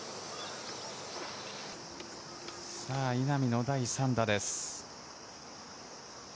稲見の第３打です。